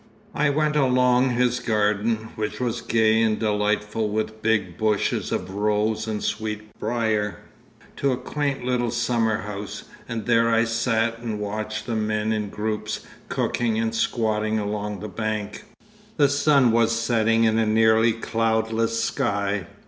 I went along his garden, which was gay and delightful with big bushes of rose and sweet brier, to a quaint little summer house, and there I sat and watched the men in groups cooking and squatting along the bank. The sun was setting in a nearly cloudless sky.